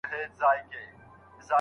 ها یوه ښځه په څومره ارمان ژاړي